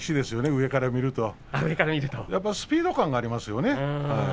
上から見るとスピード感がありますよね。